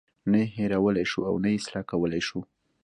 نه یې هیرولای شو او نه یې اصلاح کولی شو.